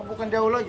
bukan jauh lagi